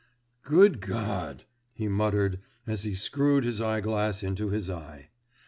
"Good God!" he muttered as he screwed his eye glass into his eye.